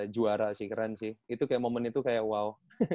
juara sih keren sih itu kayak momen itu kayak wow